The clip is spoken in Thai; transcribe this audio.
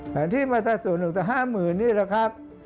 แผนที่มาตราส่วน๑ต่อ๕๐๐๐๐นี่แหละครับ